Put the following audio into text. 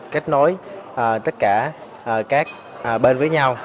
kết nối tất cả các bên với nhau